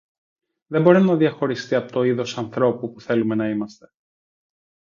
δεν μπορεί να διαχωριστεί από το είδος ανθρώπου που θέλουμε να είμαστε.